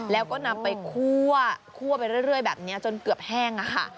แล้วก็นำไปคั่วไปเรื่อยแบบนี้จนเกือบแห้งค่ะ